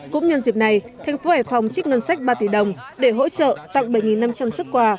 cũng nhân dịp này tp hải phòng trích ngân sách ba tỷ đồng để hỗ trợ tặng bảy năm trăm linh suất quà